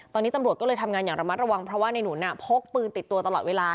ตอนนี้ตำรวจก็เลยทำงานอย่างระมัดระวังเพราะว่าในหนุนพกปืนติดตัวตลอดเวลา